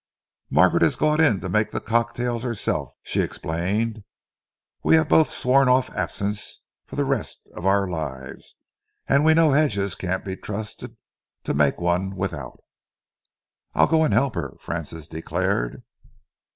"Margaret has gone in to make the cocktails herself," she explained. "We have both sworn off absinthe for the rest of our lives, and we know Hedges can't be trusted to make one without." "I'll go and help her," Francis declared.